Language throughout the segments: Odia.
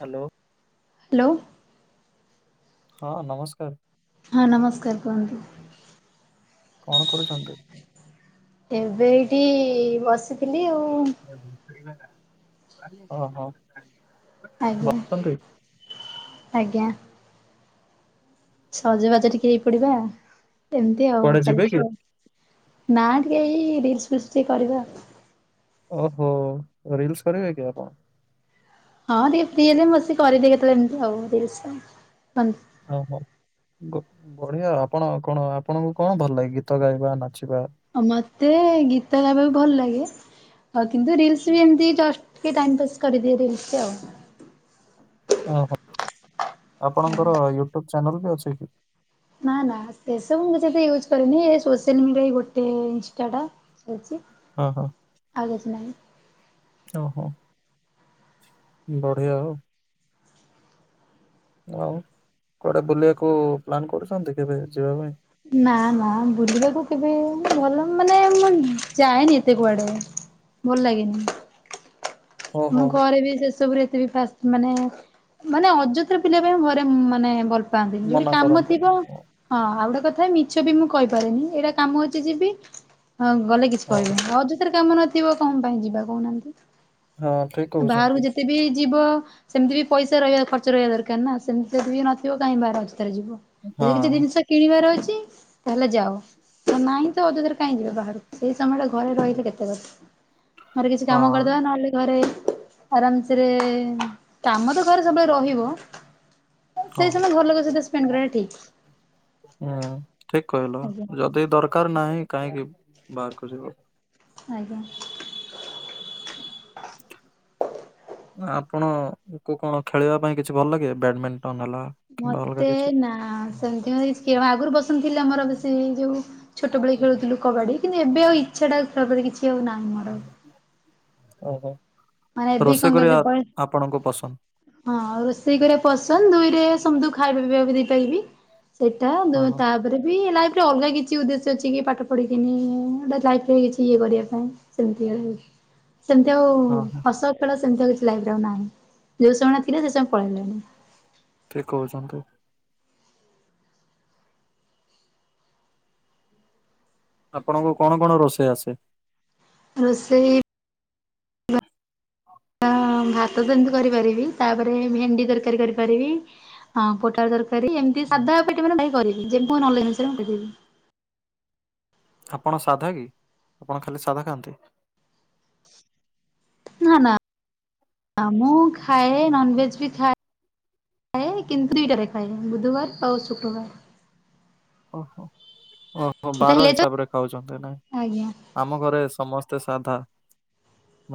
ହ୍ୟାଲୋ। ହ୍ୟାଲୋ। ହଁ ନମସ୍କାର। ହଁ ନମସ୍କାର, କୁହନ୍ତୁ। କଣ କରୁଚନ୍ତି? ଏବେ ଏଇଠି ବସିଥିଲି ଆଉ। ଓ ହ। ଆଜ୍ଞା ଆଜ୍ଞା। ସଜବାଜ ଟିକେ ହେଇପଡିବା ଏମିତି ଆଉ କୁଆଡେ ଯିବେ କି? ଚାଲିଚି ଆଉ। ନା ଟିକେ ଏଇ ରିଲସ ଫିଲ୍ସ ଟିକେ କରିବା। ଓହୋ, ରିିଲ୍ସ କରିବେ କି ଆପଣ? ହଁ ଟିକେ ଫ୍ରୀ ହେଲେ ମୁଁ ବସିକି କରିଦିଏ କେତେବେଳେ ଏମିତି ଆଉ, ରିଲ୍ସ ଆଉ ଓହୋ। ବଢିଆ ଆପଣ କଣ, ଆପଣଙ୍କୁ କଣ ଭଲ ଲାଗେ? ଗୀତ ଗାଇବା ନାଚିବା। ମତେ ଗୀତ ଗାଇବାକୁ ଭଲ ଲାଗେ। ଆ କିନ୍ତୁ ରିଲ୍ସ ବି ଏମିତି ଜଷ୍ଟ ଟିକେ ଟାଇମପାସ୍ କରିଦିଏ ରିଲସରେ ଆଉ। ଓହୋ, ଆପଣଙ୍କର ୟୁଟ୍ୟୁବ ଚ୍ୟାନେଲ ବି ଅଛି କି? ନା ନା ସେସବୁ ମୁଁ ୟୁଜ୍ କରେନି, ଏ ସୋସିଆଲ ମିଡିଆ ଗୋଟେ ଇନଷ୍ଟା ଟା। ଶୋଇଚି। ହଁ ହଁ। ଆଉ କିଛି ନାହିଁ। ଓହୋ। ବଢିଆ ଆଉ। ଆଉ କୁଆଡେ ବୁଲିବାକୁ ପ୍ଲାନ୍ କରୁଚନ୍ତି କେବେ ଯିବା ପାଇଁ? ନା ମ ବୁଲିବାକୁ କେବେ ଭଲ, ମାନେ ମୁଁ ଯାଏନି ଏତେ କୁଆଡେ। ଭଲ ଲାଗେନି। ଆମ ଓହୋ ଘରେ ବି ସେ ସବୁରେ ଏତେ ବି ଫାସ ମାନେ, ମାନେ ଅଯୋଥାରେ ବୁଲିଆ ପାଇଁ ଘରେ ମାନେ ଭଲ୍ ପାନ୍ତିନି। ଯୋଉଠି ମନା କାମ କରନ୍ତୁନି ଥିବ ହଁ ଆଉ ଗୋଟେ କଥା ମିଛ ବି ମୁଁ କହିପାରେନି। ଏଇଟା କାମ ଅଛି ଯିବି ଗଲେ କି କହିବେନି ଅଯଥାରେ କାମ ନଥିବ କଣ ପାଇଁ ଯିବା କହୁନାହାନ୍ତି? ହଁ। ଠିକ ବାହାରକୁ କହୁଛନ୍ତି। ଯେତେ ବି ଯିବ ସେମିତି ବି ପଇସା ରହିବା ଖର୍ଚ୍ଚ ରହିବା ଦରକାର ନା ସେମିତି ବି ନଥିବ କାଇହିଁ ବାହାରେ ଅଯଥାରେ ଯିବ। ହଁ ଯଦି କିଛି ଜିନିଷ କିଣିବାର ଅଛି ତାହେଲେ ଯାଅ। ତ ନାଇଁ ତ ଅଜଥାରେ କାହିଁ ଯିବେ ବାହାରକୁ, ସେଇ ସମୟରେ ଘରେ ରହିଲେ କେତେ କଥା। ଘରେ କିଛି ହଁ କାମ କରିଦବା ନହେଲେ। ଘରେ ଆରାମସେରେ, କାମ ତ ଘରେ ସବୁବେଳେ ରହିବ। ହଁ। ସେଇ ସମୟ ଘର ଲୋକ ସହିତ ସ୍ପେଣ୍ଡ କରିବା ଠିକ। ହୁଁ ଠିକ କହିଲ ଆଜ୍ଞା ଯଦି ଦରକାର ନାହିଁ କାହିଁକି ବାହାରକୁ ଯିବ। ଆଜ୍ଞା। ଆପଣ କୁ କଣ ଖେଳିବା ପାଇଁ କିଛି ଭଲ ଲାଗେ ବ୍ୟାଡମିଣ୍ଟନ ହେଲା? କିମ୍ବା ଅଲଗା ମତେ କିଛି? ନା ସେମିତି [unintelligible] ଆଗୁରୁ ପସନ୍ଦ ଥିଲା ମୋର ବେଶୀ ଯୋଉ ଛୋଟବେଳେ ଖେଳୁଥିଲୁ। କବାଡି କିନ୍ତୁ ଏବେ ଆଉ ଇଚ୍ଛାଟା ଆଉ ଖେଳ ପ୍ରତି କିଚ୍ ଓହୋ ମାନେ ଏବେ କଣ ରୋଷେଇ କହିଲେ କରିବା ପ ଆପଣଙ୍କୁ ପସନ୍ଦ। ହଁ ରୋଷେଇ କରିବା ପସନ୍ଦ ଦୁଇ ରେ ସମତଙ୍କୁ ଖାଇବା ପିଇବାକୁ ଦେଇପାରିବି। ସେଟା ଦୁ ହଁ ହଁ ତାପରେ ବି ଲାଇଫରେ ବି ଅଲଗା କି କିଛି ଉଦ୍ଦେଶ୍ୟ ଅଛି କି ପାଠ ପଢିକିନି [unintelligible] ଲାଇଫ ରେ କିଛି ଇଏ କରିବା ପାଇଁ ସେମିତି। ସେମିତି ଆଉ ହଁ ହଁ ହସ ଖେଳ ସେମିତି ଆଉ କିଛି ଲାଇଫ ରେ ଆଉ ନାହିଁ ଯଉ ସମୟ ଥିଲା ସେ ସମୟ ଆଉ ପଳେଇଲାଣି। ଠିକ କହୁଛନ୍ତୁ। ଆପଣଙ୍କୁ କଣ କଣ ରୋଷେଇ ଆସେ? ରୋଷେଇ [inaudible] ତ ଭାତ ଏମିତି କରିପାରିବି ତାପରେ ଭେଣ୍ଡି ତରକାରୀ କରିପାରିବି। ହଁ ପୋଟାଳ ତରକାରୀ ଏମିତି ସାଧା ପାଟି ମାନେ ଭାଇ କରିବି [unintelligible] ନଲେଜ ଅନୁସାରେ ମୁଁ କରିପାରିବି। ଆପଣ ସାଧା କି ଆପଣ ଖାଲି ସାଧା ଖାଆନ୍ତି। ନା ନା ମୁଁ ଖାଏ ନନଭେଜ୍ ବି ଖା ଖାଏ କିନ୍ତୁ ଦୁଇଟା ରେ ଖାଏ ବୁଧବାର ଆଉ ଶୁକ୍ରବାର। ଓହୋ ଓହୋ ଏଟା ବାର ହେଲେ ଯେ ହିସାବରେ ଖାଉଛ ତାହେଲେ। ଆଜ୍ଞା ଆମ ଘରେ ସମସ୍ତେ ସାଧା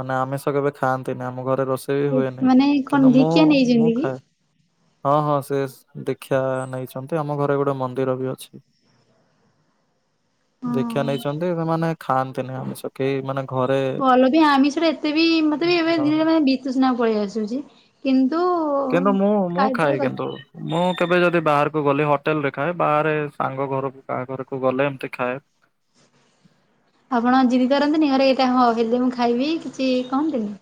ମାନେ ଆମିଷ କେବେ ଖାଆନ୍ତିନି ଆମ ଘରେ ରୋଷ କେବେ ବି ହୁଏନି ମାନେ କଣ କିନ୍ତୁ ମୁଁ ଧିକିଆ ମୁଁ ନେଇଛନ୍ତି କି? ଖାଏ। ହଁ ହଁ ସେ ଦୀକ୍ଷା ନେଇଛନ୍ତି ଆମ ଘରେ ଗୋଟେ ମନ୍ଦିର ବି ଅଛି। ଦୀକ୍ଷା ହଁ ନେଇଚନ୍ତି ମାନେ ଖାଆନ୍ତିନି ଆମିଷ କେହି ମାନେ ଘରେ ଭଲ ବି ଆମିଷ ରେ ଏତେ ବି ମୋତେ ବି ଏବେ ଦିନେ ଦିନେ ବିଚୁସୁନା ପଳେଇ ଆସୁଚି କିନ୍ତୁ। କିନ୍ତୁ ମୁଁ ମୁଁ ଖାଇବା ଖାଏ କଥା କିନ୍ତୁ। ମୁଁ କେବେ ଯଦି ବାହାରକୁ ଗଲି ହୋଟେଲ ରେ ଖାଏ ବାହାରେ ସାଙ୍ଗ ଘରକୁ କାହା ଘରକୁ ଗଲେ ଏମିତି ଖାଏ। ଆପଣ ଜିଦି କରନ୍ତିନି ଘରେ ଏଇଟା ହ ହେଲେ ମୁଁ ଖାଇବି କିଛି କହନ୍ତିନି।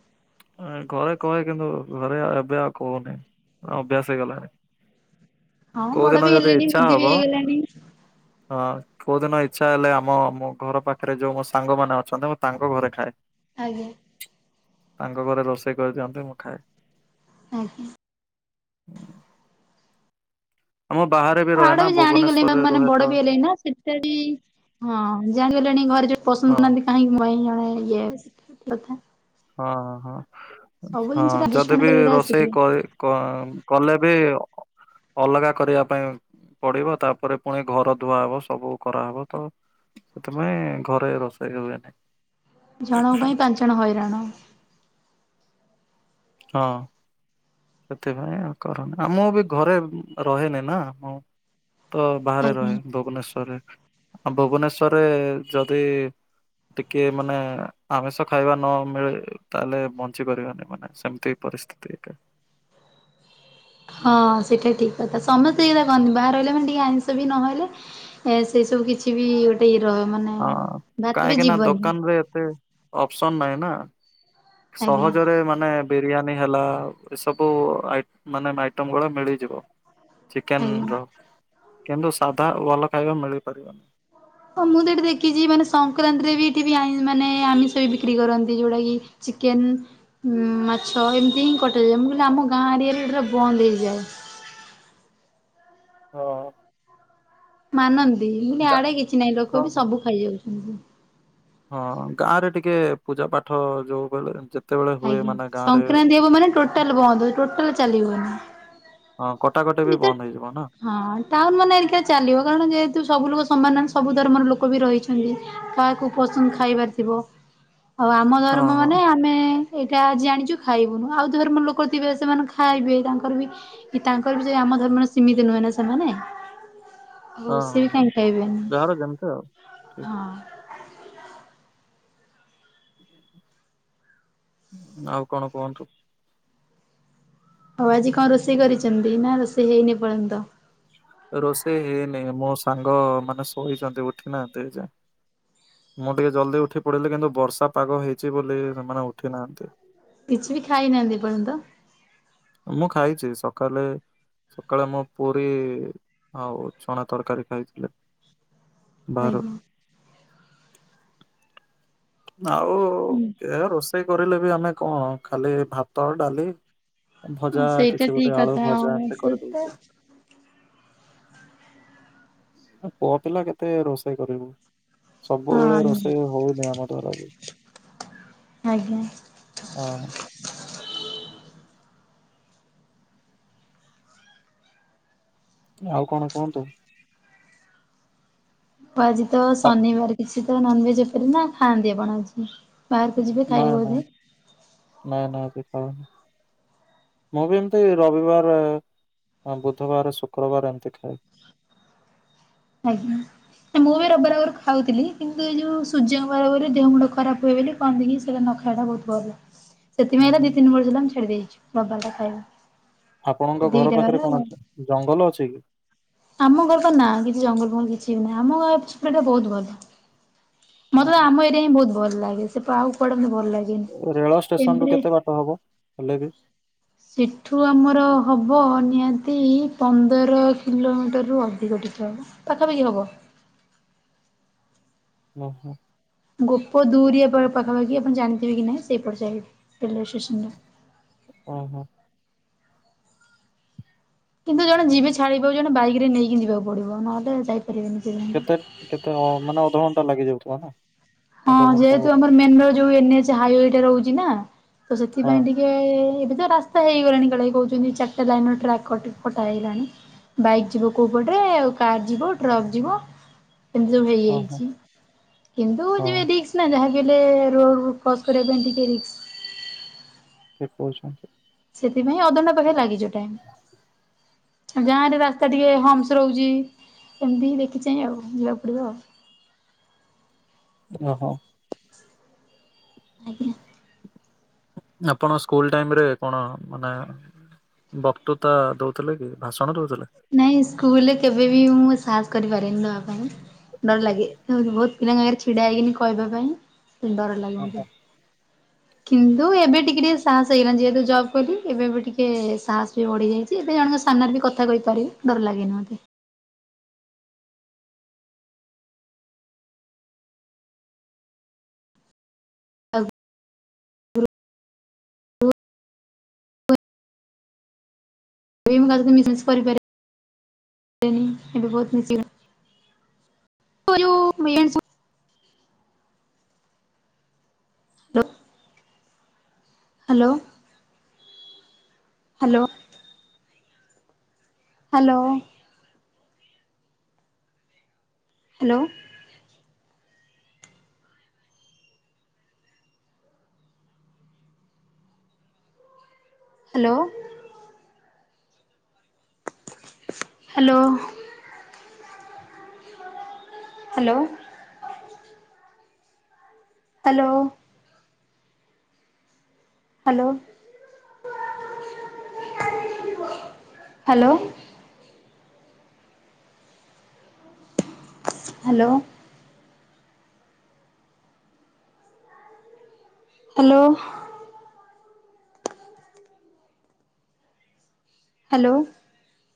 ଏଁ ଘରେ କହେ କିନ୍ତୁ ଘରେ ଏବେ ଆଉ କହୁନି ଅଭ୍ୟାସ ହେଇଗଲାଣି। ହଁ ବଡ କୋଉଦିନ ବି ଯଦି ହେଲେଣି ଇଚ୍ଛା ବୁଦ୍ଧି ବି ହବ ହେଇଗଲାଣି ହଁ। କୋଉ ଦିନ ଇଚ୍ଛା ହେଲେ ଆମ ମୋ ଘର ପାଖରେ ଯୋଉ ମୋ ସାଙ୍ଗ ମାନେ ଅଛନ୍ତି ମୁଁ ତାଙ୍କ ଘରେ ଖାଏ। ଆଜ୍ଞା। ତାଙ୍କ ଘରେ ରୋଷେଇ କରିଦିଅନ୍ତି ମୁଁ ଖାଏ। ଆଜ୍ଞା। ଆମ ବାହାରେ ହଁ ରହେ ଆଡେ ନା ବି ଜାଣିଗଲେ ମା ଭୁବନେଶ୍ଵରରେ ମାନେ ରୁହେ ବଡ ତ ବି ହେଲେଣି ନା ସେଟା ବି। ହଁ ଜାଣିଗଲେଣି ଘରେ ଯୋଉ ହଁ ପସନ୍ଦ କରୁନାହାନ୍ତି କାହିଁକି [unintelligible] ଜଣେ ଇଏ କଥା। ହଁ ହଁ ହଁ ସବୁ ହଁ ଜିନିଷରେ ଯଦି ଆଡଜଷ୍ଟମେଣ୍ଟ ବି କରିବାଟା ରୋଷେଇ ଶିଖିବେ, କରି। କ କଲେ ବି ଅଲଗା କରିବା ପାଇଁ। ପଡିବ ତାପରେ ପୁଣି ଘର ଧୁଆହବ ସବୁ କରାହବ ତ। ସେଥିପାଇଁ ଘରେ ରୋଷେଇ ହୁଏନି। ଜଣଙ୍କ ପାଇଁ ପାଞ୍ଚଜଣ ହଇରାଣ। ହଁ। ସେଥିପାଇଁ ଆଉ କରୁନି ଆ ମୁଁ ବି ଘରେ ରହେନି ନା ମୁଁ ତ ବାହାରେ ରହେ ଆଜ୍ଞା ଭୁବନେଶ୍ଵରରେ ଅ ଭୁବନେଶ୍ଵରରେ ଯଦି ଟିକେ ମାନେ ଆମିଷ ଖାଇବା ନ ମିଳେ ତାହେଲେ ବଞ୍ଚି ପାରିବାନି ମାନେ ସେମତି ପରିସ୍ଥିତି ଏକେ। ହଁ ସେଟା ଠିକ୍ କଥା ସମସ୍ତେ ଏଇରା କହନ୍ତି ବାହାରେ ରହିଲା ମାନେ ଟିକେ ଆଇଁଷ ବି ନହେଲେ ଏ ସେଇ ସବୁ କିଛି ବି ଗୋଟେ ଇଏ ର ମାନେ ହଁ ଭାତ ବି କାହିଁକି ନା ଯିବନି ଦୋକାନରେ ଏତେ ଅପ୍ସନ୍ ନାହିଁ ନାଁ। ଆଜ୍ଞା ସହଜରେ ମା ନେ ବିରିୟାନୀ ହେଲା ଏ ସବୁ ଆଇ ମାନେ ମାଇଟମ୍ ଗୁଡ଼ା ମିଳିଯିବ। ଚିକେନ୍ ର ଆଜ୍ଞା। କିନ୍ତୁ ସାଧା ଭଲ ଖାଇବା ମିଳିପାରିବନି। ହଁ ମୁଁ ତ ଏଠି ଦେଖିଚି ମାନେ ସଂକ୍ରାନ୍ତିରେ ବି ଏଠି ବି ଆଇଁ ମାନେ ଆମିଷ ବି ବିକ୍ରି କରନ୍ତି ଯୋଉଟା କି ଚିକେନ୍ ଉଁ ମାଛ ଏମିତି ହିଁ କଟଯାଏ ମୁଁ କହିଲି ଆମ ଗାଁ ଏରିଆରେ ପୁରା ବନ୍ଦ ହେଇଯାଏ। ହଁ। ମାନନ୍ତି ମୁଁ ଲି ଗା ଆଡ଼େ କିଛି ନାହିଁ ହଁ ଲୋକ ବି ହଁ। ସବୁ ଖାଇଯାଉଛନ୍ତି। ହଁ ଗାଁରେ ଟିକେ ପୂଜା ପାଠ ଯୋଉ କହିଲେ ଯେ ଆଜ୍ଞା ସଂକ୍ରାନ୍ତି ହବ ମାନେ ଟୋଟାଲ୍ ବନ୍ଦ ଟୋଟାଲ ଚାଲିିବନି। ହଁ କଟାକଟେ ବି ବନ୍ଦ ହେଇଯିବ, ନାଁ? ହଁ ଟାଉନ୍ ମାନେ ହେରିକାରେ ଚାଲିବ କାରଣ ଯେହେତୁ ସବୁ ଲୋକ ସମାନ ସବୁ ଧର୍ମର ଲୋକ ବି ରହିଛନ୍ତି। କାହାକୁ ପସନ୍ଦ ଖାଇବାର ଥିବ ଆଉ ଆମ ହଁ ଧର୍ମ ହଁ ମାନେ ଆ ମେ ଏଇଟା ଆଜି ଆଣିଚୁ ଖାଇବୁନୁ ଆଉ ଧର୍ମର ଲୋକ ଥିବେ ସେମାନେ ଖାଇବେ ତାଙ୍କର ବି ଇ ତାଙ୍କର ବି ସେଇ ଆମ ଧର୍ମର ସୀମିତି ନୁହେଁ ନା ସେମାନେ। ଆଉ ହଁ ସେ ହଁ ବି ହଁ କାହିଁ ଖହବେନି ଯାହାର ଯେମିତି ଆଉ। ଠିକ ହଁ। ଆଉ କଣ କୁହନ୍ତୁ। ଆଉ ଆଜି କଁ ରୋଷେଇ କରିଚନ୍ତି ନାଁ ରୋଷେଇ ହେଇନି ଏପର୍ଯ୍ୟନ୍ତ? ରୋଷେଇ ହେଇନି ମୋ ସାଙ୍ଗ ମାନେ ଶୋଇଛନ୍ତି ଉଠି ନାହାନ୍ତି ଏଯାଏଁ। ମୁଁ ଟିକେ ଜଲ୍ଦି ଉଠି ପଡ଼ିଲି କିନ୍ତୁ ବର୍ଷା ପାଗ ହେଇଚି ବୋଲି ସେମାନେ ଉଠି ନାହାନ୍ତି। କିଛି ବି ଖାଇନାହାନ୍ତି ଏପର୍ଯ୍ୟନ୍ତ? ମୁଁ ଖାଇଚି ସକାଲେ ସକାଳେ ମୁଁ ପୁରୀ ଆଉ ଚଣା ତରକାରୀ ଖାଇଥିଲି। ଆଜ୍ଞା। ଆଉ ହୁଁ। ଏ ରୋଷେଇ କରିଲେ ବି ଆମେ କଣ ଖାଲି ଭାତ ଡ଼ାଲି ଭଜା ସେଇଟା କିଛି ଠିକ ଗୋଟେ ଆଳୁ କଥା ଆଉ ଭଜା ଏମତି କରି ସେଇଟା ଦଉଚୁ। ହଁ ପୁଅ ପିଲା କେତେ ରୋଷେଇ କରିବୁ ସବୁବେଳେ ରୋଷେଇ ହଉନି ଆମ ଦ୍ଵାରା ବି। ଆଜ୍ଞା। ଅ ଆଉ କଣ କୁହନ୍ତୁ। ଓ ଆଜି ତ ଆ ଶନିବାର କିଛି ତ ନନଭେଜ୍ ଓପରେ ନା ଖାଆନ୍ତି ଆପଣ ଆଜି? ବାହାରକୁ ଯିବେ ନାଁ ଖାଇବେ ନାଁ ବୋଧେ ନାଁ ନାଁ ଆଜି ଖାଉନି। ମୁଁ ବି ଏମତି ରବିବାର ବୁଧବାର ଶୁକ୍ରବାର ଏମତି ଖାଏ। ଆଜ୍ଞା। ମୁଁ ବି ରବିବାର ଆଗରୁ ଖାଉଥିଲି କିନ୍ତୁ ଏ ଯୋଉ ସୂର୍ଯ୍ୟଙ୍କ ବାରବୋଲି ଦେହ ମୁଣ୍ଡ ଖରାପ ହୁଏ ବୋଲି କନ୍ତି କି ସିଏ ନଖାଇଲା ବହୁତ ଭଲ। [inaudible] ସେଥିପାଇଁ ତ ହୁଁ। ଦି ତିନି ବର୍ଷ ହେଲା ମୁଁ ଛାଡ଼ି ଦେଇଚି ରବିବାର ଟା ଖାଇବା। ଆପଣଙ୍କ ଘର ଦିଟା ବାର ପାଖରେ କଣ ଆଉ। ଅଛି? ଜଙ୍ଗଲ ଅଛି କି? ଆମ ଘର ନାଁ କିଛି ଜଙ୍ଗଲ ଫଙ୍ଗଲ କିଛି ବି ନାହିଁ ଆମ ଗାଁ ଟା ବହୁତ ଭଲ। ମତେ ତ ଓହୋ ଆମ ଏରିଆ ହିଁ ବହୁତ ଭଲ ଲାଗେ ସେ ପା ଉପାଡ଼ନ୍ତି ଭଲ ଲାଗେନି। ରେଳ ଷ୍ଟେସନ ରୁ ଏମିତିରେ କେତେ ବାଟ ହବ ହେଲେ ବି? ସେଠୁ ଆମର ହବ ନିହାତି ପନ୍ଦର କିଲୋମିଟରରୁ ଅଧିକ ଟିକେ ହବ। ପାଖାପାଖି ହବ। ଓହୋ। ଗୋପ ଦୁରିଆ ପାଖାପଖି ଆପଣ ଜାଣିଥିବେ କି ନାହିଁ ସେଇପଟ ସାଇଟ୍ ରେଲୱେ ଷ୍ଟେସନ ଟା। ଓହୋ। କିନ୍ତୁ ଜଣେ ଯିବେ ଛାଡ଼ିବାକୁ ଜଣେ ବାଇକ୍ ରେ ନେଇକି ଯିବାକୁ ପଡ଼ିବ ନହେଲେ ଯାଇପାରିବେନି ସେ ଜଣ କେତେ କେତେ ଓ ମାନେ ଅଧଘଣ୍ଟା ଲାଗିଯାଉଥିବ ନା ହଁ ଅଧଘଣ୍ଟା ଯେହେତୁ ହଁ ଆମର ମେନ୍ ରୋ ଯୋଉ ଏନ୍ଏଚ ହାଇୱେ ଟା ରହୁଚି ନା ତ ସେଥିପାଇଁ ହଁ ଟିକ୍ ଇଏ ଏବେ ତ ରାସ୍ତା ହେଇଗଲାଣି କାଳେ କହୁଛନ୍ତି ଚାରିଟା ଲାଇନ ର ଟ୍ରାକ୍ କଟି କଟା ହେଇଗଲାଣି। ବାଇକ୍ ଯିବ କୋଉ ପଟରେ ଆଉ କାର ଯିବ, ଟ୍ରକ୍ ଯିବ। ସେମିତି ତି ସବୁ ହଁ ହେଇଯାଇଚି କିନ୍ତୁ ହଁ ରିକ୍ସ୍ ନା ଯାହାବି ହେଲେ ରୋଡ୍ କ୍ରସ୍ କରିବା ପାଇଁ ଟିକେ ରିକ୍ସ୍। ଠିକ୍ କହୁଛନ୍ତି। ସେଥିପାଇଁ ଅଧଘଣ୍ଟା ପାଖି ଲାଗିଯିବ ଟାଇମ୍। ଗାଁରେ ରାସ୍ତା ଟିକେ ହମ୍ସ୍ ରହୁଛି। ଏମିତିି ହିଁ ଦେଖିଚାହିଁ ଆଉ ଯିବାକୁ ପଡ଼ିବ ଆଉ। ଓହୋ। ଆଜ୍ଞା। ଆପଣ ସ୍କୁଲ ଟାଇମ୍ ରେ କଣ ମାନେ ବକ୍ତୃତା ଦଉଥିଲେ କି ଭାଷଣ ଦଉଥିଲେ? ନାଇଁ ସ୍କୁଲରେ କେବେ ବି ମୁଁ ସାହସ କରିପାରେନି ଦବା ପାଇଁ। ଡର ଲାଗେ ବହୁତ୍ ପିଲାଙ୍କ ଆଗରେ ଛିଡା ହେଇକିନି କହିବା ପାଇଁ ଡର ଲାଗେ ଓହୋ ମତେ। [unintelligible] କିନ୍ତୁ ଏବେ ଟିକେ ଟିକେ ସାହସ ହେଇଗଲାଣି ଯେହେତୁ ଜବ୍ କଲି ଏବେ ଏବେ ଟିକେ ସାହସ ବି ବଢି ଯାଇଛି। ତି ଏବେ ଜଣଙ୍କ ସାମ୍ନାରେ ବି କଥା କହିପାରିବି ଡର ଲାଗିବନି ମତେ। [inaudible] [inaudible] [inaudible] [inaudible] Hello. Hello. Hello hello hello hello, hello. Hello. Hello, hello. Hello. Hello. Hello.